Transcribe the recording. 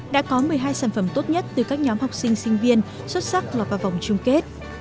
đã có một mươi hai sản phẩm tốt nhất từ các nhóm học sinh sinh viên xuất sắc lọt vào vòng chung kết